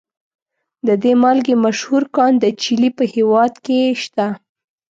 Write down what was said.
د دې مالګې مشهور کان د چیلي په هیواد کې شته.